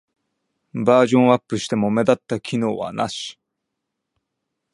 バージョンアップしても目立った機能はなし